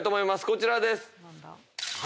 こちらです。